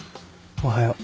おはよう。